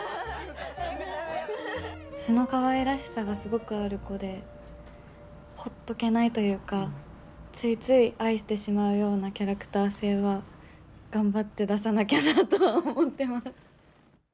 素のかわいらしさがすごくある子でほっとけないというかついつい愛してしまうようなキャラクター性は頑張って出さなきゃなとは思ってます。